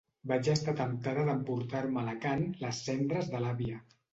Vaig estar temptada d'emportar-me a Alacant les cendres de l'àvia.